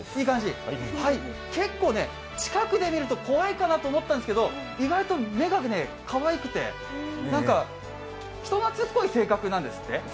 結構近くで見ると怖いかなと思ったんですが意外と目がかわいくて、人なつっこい性格なんですって？